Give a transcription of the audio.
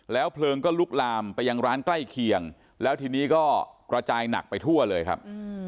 เพลิงก็ลุกลามไปยังร้านใกล้เคียงแล้วทีนี้ก็กระจายหนักไปทั่วเลยครับ